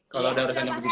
kalau udah rasanya begitu